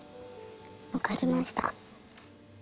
分かりました。